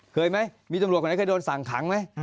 เคยไหมมีตำรวจคนไหนเคยโดนสั่งขังไหม